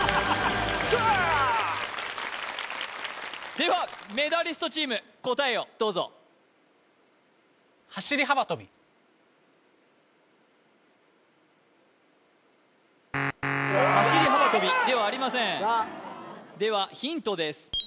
ではメダリストチーム答えをどうぞ走り幅跳びではありませんではヒントです